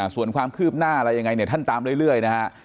ส่วนความคืบหน้าอะไรยังไงเนี่ยท่านตามเรื่อยนะฮะ